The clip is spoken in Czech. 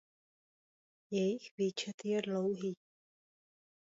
Jejich výčet je dlouhý.